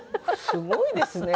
すごいですね。